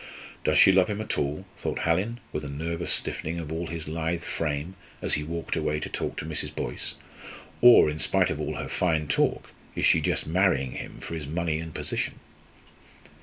"Does she love him at all?" thought Hallin, with a nervous stiffening of all his lithe frame, as he walked away to talk to Mrs. Boyce, "or, in spite of all her fine talk, is she just marrying him for his money and position!"